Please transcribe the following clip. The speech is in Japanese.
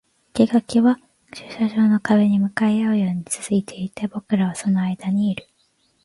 生垣は駐車場の壁に向かい合うように続いていて、僕らはその間にいる